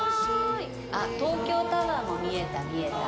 あっ東京タワーも見えた見えた。